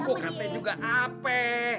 gue kata juga apa